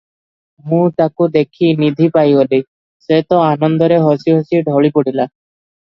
ମୁଁ ତାକୁ ଦେଖି ନିଧି ପାଇଗଲି, ସେ ତ ଆନନ୍ଦରେ ହସି ହସି ଢଳି ପଡ଼ିଲା ।